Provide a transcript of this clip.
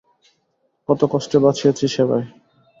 কত কষ্টে বাঁচিয়েছি সেবায়।